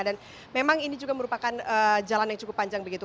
dan memang ini juga merupakan jalan yang cukup panjang begitu